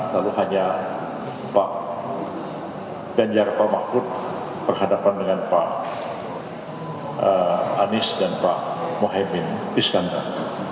dan hanya pak ganjar pemakut berhadapan dengan pak anies dan pak mohemim iskandar